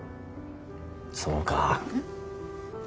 そうか。